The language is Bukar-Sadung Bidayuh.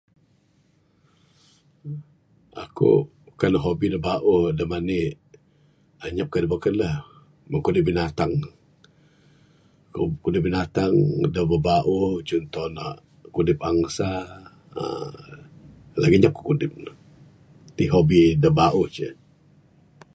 Aku kan hobi da bauh da mani'k anyap kayuh da beken lah meng kudip binatang. Kudip binatang da bauh bauh cunto ne kudip angsa uhh lagi anyap ku kudip ne. Ti hobi da bauh ce.